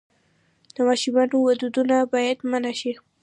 د ماشومانو ودونه باید منع شي.